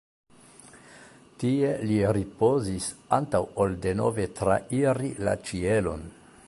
Tie li ripozis antaŭ ol denove trairi la ĉielon.